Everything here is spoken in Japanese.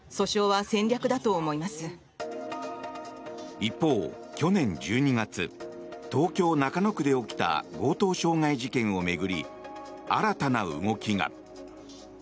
一方、去年１２月東京・中野区で起きた強盗傷害事件を巡り新たな動きが。